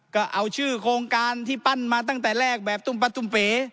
ก็เอาชื่อโครงการที่ปั้นมาตั้งแต่แรกแบบตุ้มป้าตุ้มเป๋